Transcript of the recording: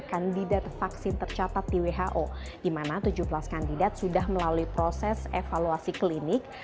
kandidat vaksin tercatat di who di mana tujuh belas kandidat sudah melalui proses evaluasi klinik